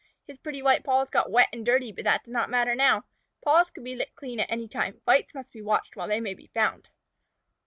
His pretty white paws got wet and dirty, but that did not matter now. Paws could be licked clean at any time. Fights must be watched while they may be found.